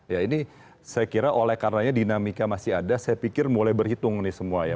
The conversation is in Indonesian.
ya ini saya kira oleh karenanya dinamika masih ada saya pikir mulai berhitung nih semua ya